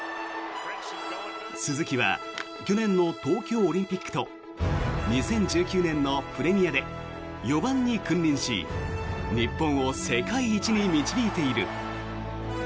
鈴木は去年の東京オリンピックと２０１９年のプレミアで４番に君臨し日本を世界一に導いている。